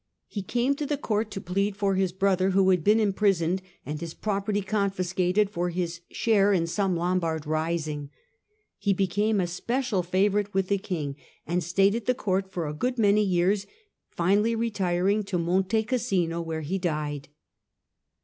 He came to the court to plead for his brother, who had been imprisoned, and his property confiscated, for his share in some Lombard rising. He became a special favourite with the king, and stayed at the court for a good many years, finally retiring to Monte Cassino, where he died.